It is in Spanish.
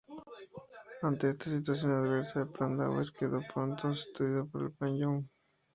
Ante esta situación adversa, el Plan Dawes quedó pronto sustituido por el Plan Young.